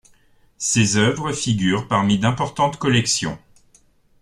Ses œuvres figurent parmi d'importantes collections.